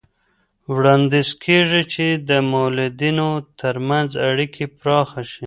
وړاندیز کېږي چې د مؤلدینو ترمنځ اړیکې پراخه شي.